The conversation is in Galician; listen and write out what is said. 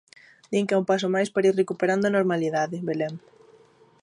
Din que é un paso máis para ir recuperando a normalidade, Belén.